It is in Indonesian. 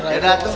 ya udah tuh